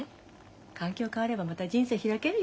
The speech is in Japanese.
環境変わればまた人生開けるよ。